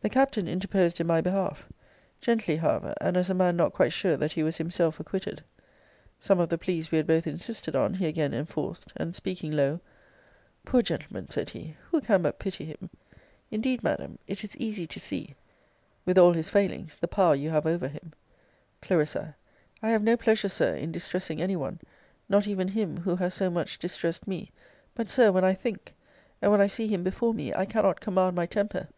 The Captain interposed in my behalf; gently, however, and as a man not quite sure that he was himself acquitted. Some of the pleas we had both insisted on he again enforced; and, speaking low, Poor gentleman! said he, who can but pity him? Indeed, Madam, it is easy to see, with all his failings, the power you have over him! Cl. I have no pleasure, Sir, in distressing any one; not even him, who has so much distressed me. But, Sir, when I THINK, and when I see him before me, I cannot command my temper!